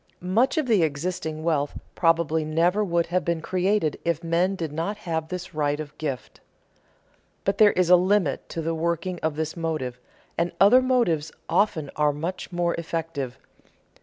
Much of the existing wealth probably never would have been created if men did not have this right of gift. But there is a limit to the working of this motive, and other motives often are much more effective.